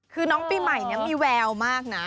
คือน้องปีใหม่นี้มีแววมากนะ